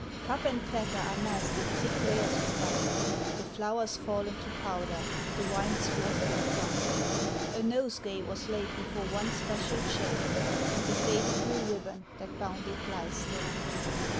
Cup and platter are masked in thick layers of dust; The flowers fallen to powder, the wine swathed in crust; A nosegay was laid before one special chair, And the faded blue ribbon that bound it lies there.